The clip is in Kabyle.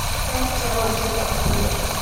Ta d taɣawsa taqburt.